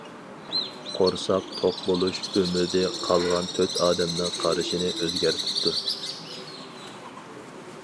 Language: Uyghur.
قورساق توق بولۇش ئۈمىدى قالغان تۆت ئادەمنىڭ قارىشىنى ئۆزگەرتىپتۇ.